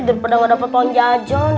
daripada nggak dapat pohon jajan